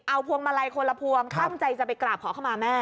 เอาพวงมาลัยคนละพวงตั้งใจจะไปกราบขอเข้ามาแม่